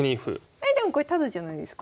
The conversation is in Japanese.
えでもこれタダじゃないですか。